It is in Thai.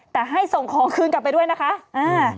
แต่ให้ส่งของคืนกลับไปด้วยนะคะอ่า